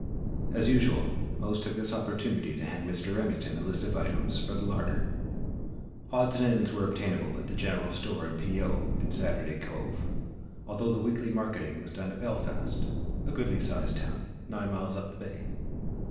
As usual, Mose took this opportunity to hand Mr. Remington a list of items for the larder. Odds and ends were obtainable at the General Store and "P. O." at Saturday Cove although the weekly marketing was done at Belfast, a goodly sized town nine miles up the bay.